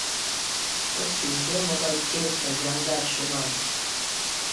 — От шинче, могай честный, яндар шӱман!